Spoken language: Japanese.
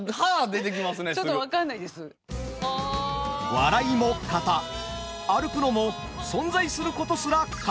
笑いも型歩くのも存在することすら型。